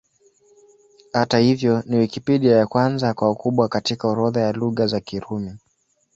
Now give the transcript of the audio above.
Hata hivyo, ni Wikipedia ya kwanza kwa ukubwa katika orodha ya Lugha za Kirumi.